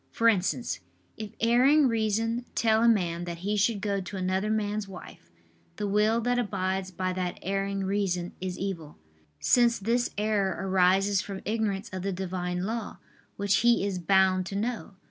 For instance, if erring reason tell a man that he should go to another man's wife, the will that abides by that erring reason is evil; since this error arises from ignorance of the Divine Law, which he is bound to know.